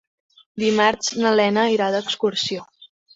Dimarts na Lena irà d'excursió.